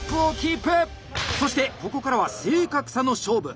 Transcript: そしてここからは正確さの勝負。